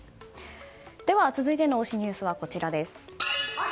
では、続いての推しニュースはこちらです。